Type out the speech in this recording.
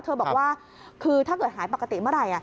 บอกว่าคือถ้าเกิดหายปกติเมื่อไหร่